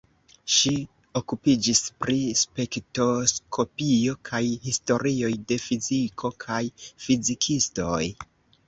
Ŝi okupiĝis pri spektroskopio kaj historioj de fiziko kaj fizikistoj.